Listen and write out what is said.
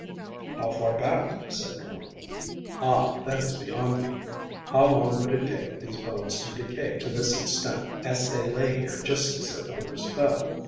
"How far back?" said Bourne. "Ah, that is beyond me. How long would it take these bones to decay to this extent as they lay here just as their owners fell?